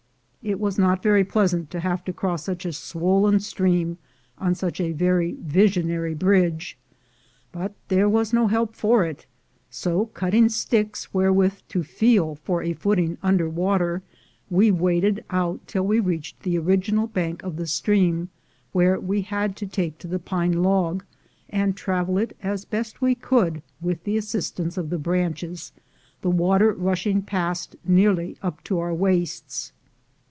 It was not very pleasant to have to cross such a swollen stream on such a very visionary bridge, but there was no help for it; so cutting sticks wherewith to feel for a footing under water, we waded out till we reached the original bank of the stream, where we had to take to the pine log, and travel it as best we could with the assistance of the branches, the water rushing past nearly up to our waists.